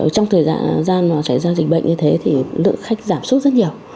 trong thời gian xảy ra dịch bệnh như thế thì lượng khách giảm sốt rất nhiều